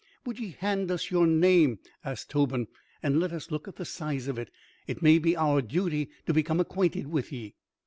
"Would ye hand us your name," asks Tobin, "and let us look at the size of it? It may be our duty to become acquainted with ye."